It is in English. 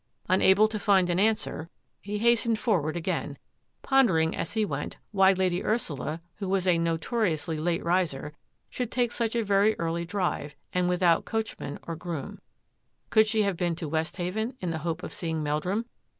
Unable to find an answer, he hastened onward MARY SURPRISES CLAVERING 805 again, pondering as he went why Lady Ursula, who was a notoriously late riser, should take such a very early drive, and without coachman or groom. Could she have been to Westhaven in the hope of seeing Meldrum?